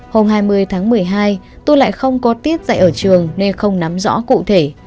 hôm hai mươi tháng một mươi hai tôi lại không có tiết dạy ở trường nên không nắm rõ cụ thể